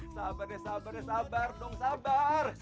sabar ya sabar ya sabar dong sabar